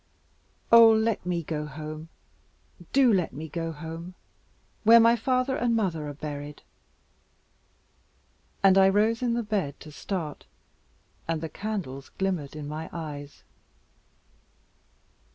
Oh let me go home, do let me go home, where my father and mother are buried." And I rose in the bed to start, and the candles glimmered in my eyes.